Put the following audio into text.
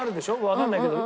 わかんないけど。